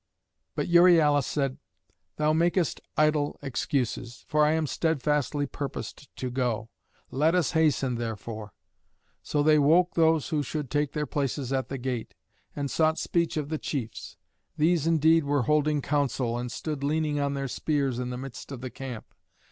But Euryalus said: "Thou makest idle excuses, for I am steadfastly purposed to go. Let us hasten, therefore." So they woke those who should take their places at the gate, and sought speech of the chiefs. These indeed were holding counsel, and stood leaning on their spears in the midst of the camp.